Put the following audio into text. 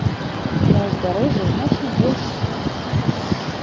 На ўзбярэжжы значна больш суха.